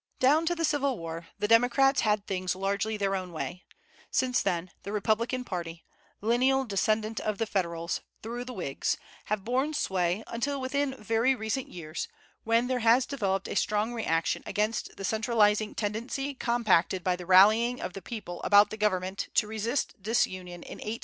Down to the Civil War the Democrats had things largely their own way; since then, the Republican party lineal descendant of the Federals, through the Whigs have borne sway until within very recent years, when there has developed a strong reaction against the centralizing tendency compacted by the rallying of the people about the government to resist disunion in 1860 65.